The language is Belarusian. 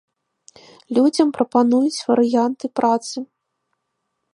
Людзям прапануюць варыянты працы.